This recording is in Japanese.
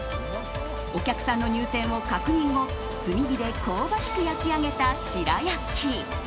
お客さんの入店を確認後炭火で香ばしく焼き上げた白焼き。